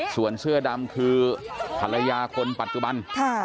ส่วนเสื้อดำคือภรรยาคนปัจจุบัน